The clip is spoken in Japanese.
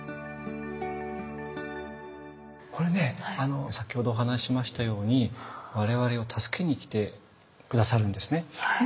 これね先ほどお話ししましたように我々を助けに来て下さるんですね。